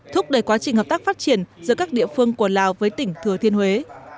thúc đẩy quá trình hợp tác phát triển giữa các địa phương của lào với tỉnh thừa thiên huế